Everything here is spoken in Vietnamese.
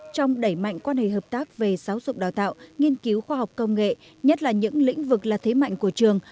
trong đẩy mạnh quan hệ hợp tác về giáo dục đào tạo nghiên cứu khoa học công nghệ nhất là những lĩnh vực là thế mạnh của trường